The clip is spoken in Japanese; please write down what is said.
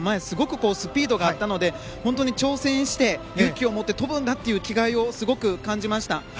すごくスピードがあったので本当に挑戦して勇気をもって跳ぶんだという気概をすごく感じました。